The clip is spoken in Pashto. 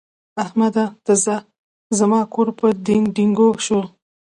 احمده! ته ځه؛ زما کار په ډينګ ډينګو شو.